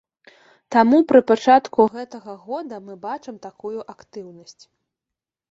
Таму пры пачатку гэтага года мы бачым такую актыўнасць.